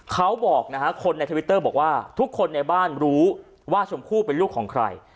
เขาบอกนะฮะคนในทวิตเตอร์บอกว่าทุกคนในบ้านรู้ว่าชมพู่เป็นลูกของใคร